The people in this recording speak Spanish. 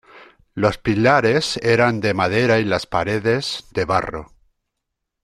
Los pilares eran de madera y las paredes, de barro.